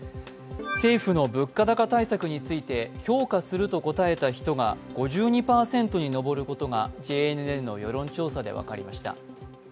政府の物価高対策について評価すると答えた人が５２％に上ることがＪＮＮの世論調査で分かりました。